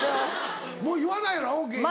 もう言わないやろ芸人。